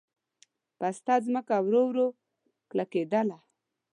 پسته ځمکه ورو ورو کلکېدله.